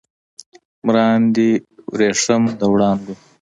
مراندې وریښم د وړانګو